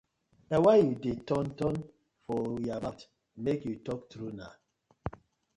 Na why yu dey turn turn for yah mouth, make yu talk true naw.